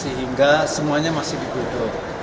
sehingga semuanya masih dikutuk